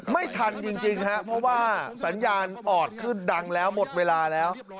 ไม่ทันจริงครับเพราะว่าสัญญาณออดขึ้นดังแล้วหมดเวลาแล้ว